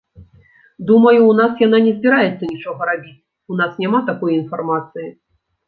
Думаю, у нас яна не збіраецца нічога рабіць, у нас няма такой інфармацыі.